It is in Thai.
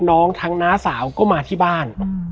แล้วสักครั้งหนึ่งเขารู้สึกอึดอัดที่หน้าอก